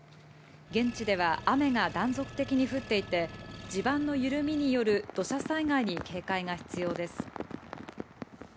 現地では雨が断続的に降っていて、地盤の緩みによる土砂災害に警戒が必要です。